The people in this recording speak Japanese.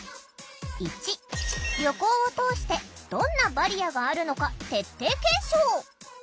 １旅行を通してどんなバリアがあるのか徹底検証！